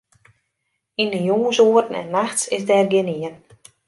Yn 'e jûnsoeren en nachts is dêr gjinien.